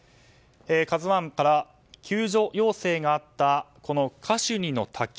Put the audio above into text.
「ＫＡＺＵ１」から救助要請があったカシュニの滝